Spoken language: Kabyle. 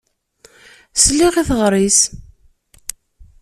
Sliɣ i teɣṛi-s.